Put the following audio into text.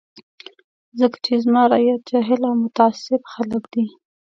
ځکه چې زما رعیت جاهل او متعصب خلک دي.